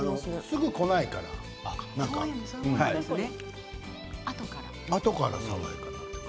すぐこないからあとから爽やかになってくる。